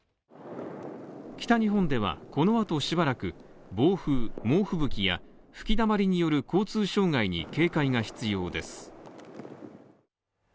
北日本では、このあとしばらく暴風、猛吹雪や吹きだまりによる交通障害に警戒が必要です。